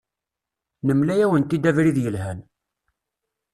Nemla-awent-d abrid yelhan.